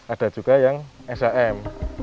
ada juga yang sam